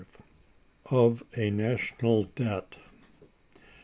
Of A National Debt.